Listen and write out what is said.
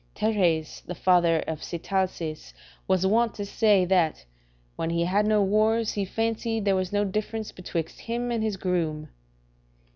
Teres, the father of Sitalces, was wont to say that "when he had no wars, he fancied there was no difference betwixt him and his groom."